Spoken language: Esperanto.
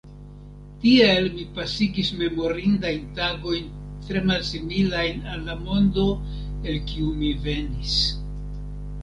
Tiel mi pasigis memorindajn tagojn tre malsimilajn al la mondo, el kiu mi venis.